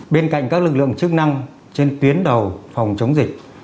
bên cạnh các lực lượng chức năng trên tuyến đầu phòng chống dịch